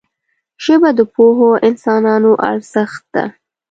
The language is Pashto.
ژبه د پوهو انسانانو ارزښت ده